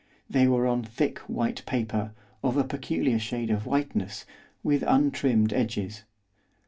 They were on thick white paper, of a peculiar shade of whiteness, with untrimmed edges.